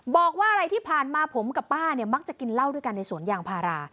บอกว่าอะไรที่ผ่านมาผมกับป้าเนี่ยมักจะกินเหล้าด้วยกันในสวนยางพารา